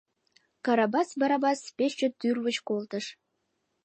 — Карабас Барабас пеш чот тӱрвыч колтыш.